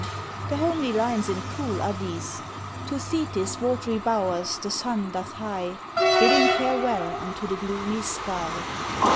The homely lines in Poole are these, To Thetis' watery bowers the sun doth hie, BIDDING FAREWELL unto the gloomy sky.